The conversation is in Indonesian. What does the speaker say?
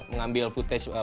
mengambil footage malam hari